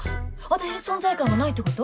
私に存在感がないってこと？